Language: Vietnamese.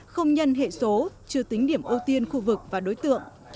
không nhân hệ số chưa tính điểm ưu tiên khu vực và đối tượng